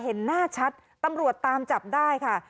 เห็นหน้าชัดตำรวจตามจับได้ค่ะ